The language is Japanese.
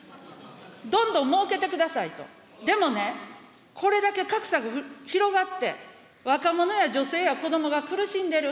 どんどんもうけてくださいと、でもね、これだけ格差が広がって、若者や女性や子どもが苦しんでる。